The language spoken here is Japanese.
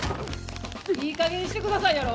「いい加減にしてください」やろ？